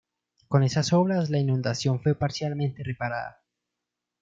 Con esas obras la inundación fue parcialmente reparada.